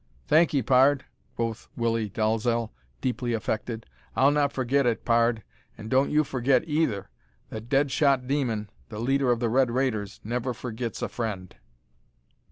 "Thanky, pard," quoth Willie Dalzel, deeply affected. "I'll not forgit it, pard. An' don't you forgit, either, that Dead shot Demon, the leader of the Red Raiders, never forgits a friend."